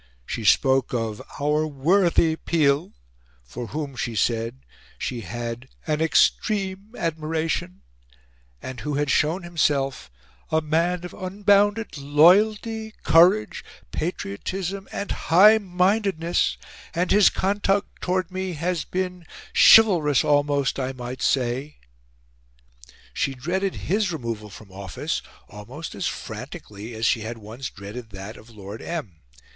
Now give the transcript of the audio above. She spoke of "our worthy Peel," for whom, she said, she had "an EXTREME admiration" and who had shown himself "a man of unbounded LOYALTY, COURAGE patriotism, and HIGH MINDEDNESS, and his conduct towards me has been CHIVALROUS almost, I might say." She dreaded his removal from office almost as frantically as she had once dreaded that of Lord M.